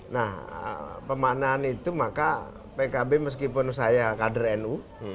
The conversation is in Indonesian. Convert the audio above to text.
nah pemaknaan itu maka pkb meskipun saya kader nu